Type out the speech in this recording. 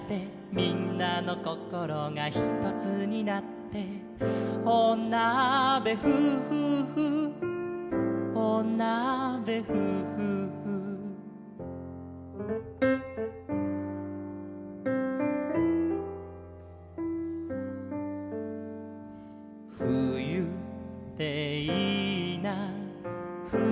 「みんなのこころがひとつになって」「おなべふふふおなべふふふ」「ふゆっていいなふゆってね」